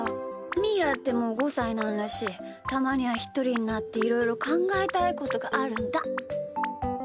みーだってもう５さいなんだしたまにはひとりになっていろいろかんがえたいことがあるんだ。